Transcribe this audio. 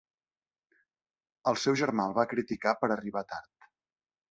El seu germà el va criticar per arribar tard.